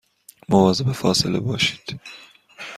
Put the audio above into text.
مواظب فاصله باشید